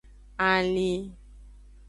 Alin.